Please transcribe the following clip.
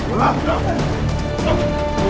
aduh cepetan dong